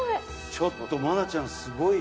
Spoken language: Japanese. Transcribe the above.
ちょっと愛菜ちゃんすごいよ。